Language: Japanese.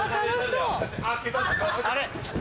あれ？